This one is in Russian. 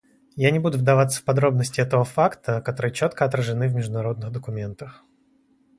Я не буду вдаваться в подробности этого факта, которые четко отражены в международных документах.